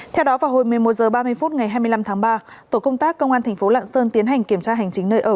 theo đó vào hồi một mươi một h ba mươi phút ngày hai mươi năm tháng ba tổ công tác công an tp lạng sơn tiến hành kiểm tra hành chính nơi ở